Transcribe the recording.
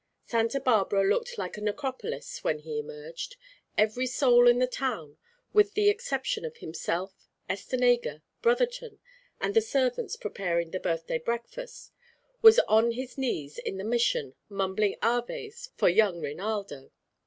Santa Barbara looked like a necropolis when he emerged. Every soul in the town, with the exception of himself, Estenega, Brotherton, and the servants preparing the birthday breakfast, was on his knees in the Mission mumbling aves for young Reinaldo.